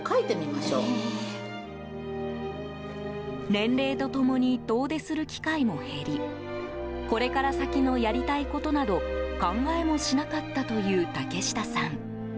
年齢と共に遠出する機会も減りこれから先のやりたいことなど考えもしなかったという竹下さん。